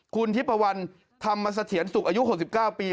คุณธิปวันทำมาเสถียรศุกร์อายุ๖๙ปี